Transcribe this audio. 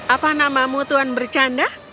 apa namamu tuan bercanda